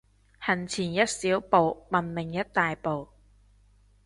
行前一小步，文明一大步